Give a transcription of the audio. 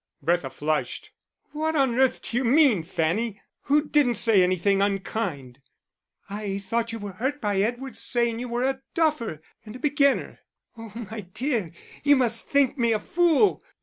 Bertha flushed. "What on earth do you mean, Fanny? Who didn't say anything unkind?" "I thought you were hurt by Edward's saying you were a duffer and a beginner." "Oh, my dear, you must think me a fool."